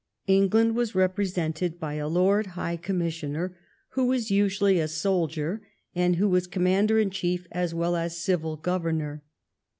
Eng land was represented by a Lord High Commis sioner, who was usually a soldier, and who was Commander in Chief as well as civil Governor.